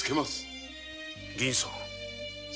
銀さん。